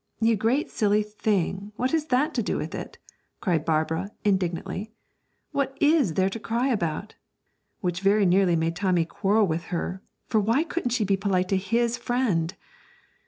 'You great silly thing, what has that to do with it?' cried Barbara, indignantly. 'What is there to cry about?' which very nearly made Tommy quarrel with her, for why couldn't she be polite to his friend?